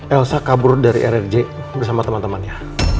elsa kabur dari rrj bersama teman temannya